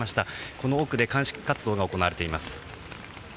この奥で鑑識活動が行われています。